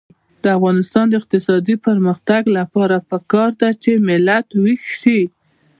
د افغانستان د اقتصادي پرمختګ لپاره پکار ده چې ملت ویښ شي.